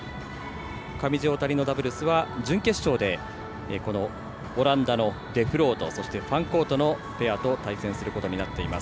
上地、大谷のダブルスは準決勝でこのオランダのデフロートそして、ファンコートのペアと対戦することになっています。